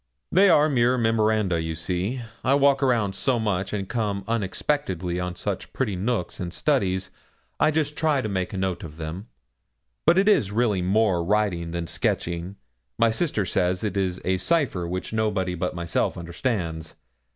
'They are mere memoranda, you see. I walk so much and come unexpectedly on such pretty nooks and studies, I just try to make a note of them, but it is really more writing than sketching; my sister says it is a cipher which nobody but myself understands.